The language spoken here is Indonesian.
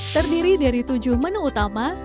terdiri dari tujuh menu utama